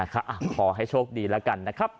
ขอให้โชคดีแล้วกันนะครับ